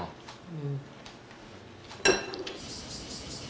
うん。